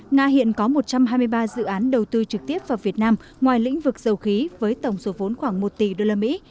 nga hiện có một trăm hai mươi ba dự án đầu tư trực tiếp vào việt nam ngoài lĩnh vực dầu khí với tổng số vốn khoảng một tỷ đô la mỹ